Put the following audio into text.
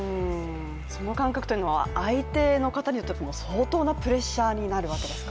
その感覚というのは相手の方にとっては相当なプレッシャーになるわけですか。